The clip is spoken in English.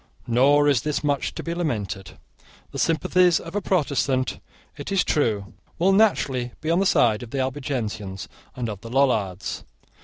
Nor is this much to be lamented. The sympathies of a Protestant, it is true, will naturally be on the side of the Albigensians and of the Lollards.